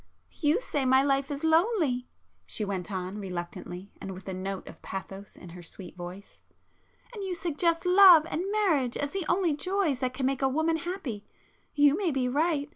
"You say my life is lonely,"—she went on reluctantly and with a note of pathos in her sweet voice—"and you suggest love and marriage as the only joys that can make a woman happy. You may be right.